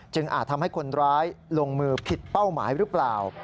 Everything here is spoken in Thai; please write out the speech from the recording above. อาจทำให้คนร้ายลงมือผิดเป้าหมายหรือเปล่า